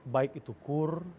baik itu kur